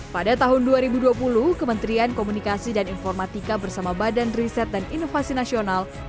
pada tahun dua ribu dua puluh kementerian komunikasi dan informatika bersama badan riset dan inovasi nasional